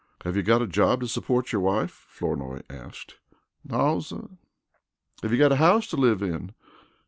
"Have you got a job to support your wife?" Flournoy asked. "Naw, suh." "Have you got a house to live in?"